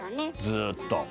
ずっと。